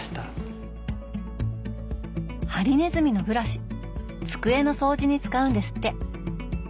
ハリネズミのブラシ机の掃除に使うんですって。